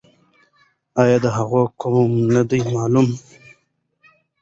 آیا د هغې قوم نه دی معلوم؟